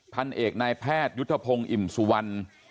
พันเอกนายแพทยุทธพงศ์อิ่มสุวรรณ